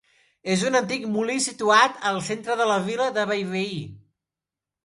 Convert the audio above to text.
És un antic molí situat al centre de la vila de Bellveí.